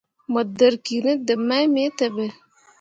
Mo dǝrriki ne deb mai me teɓe.